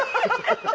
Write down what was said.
ハハハハ。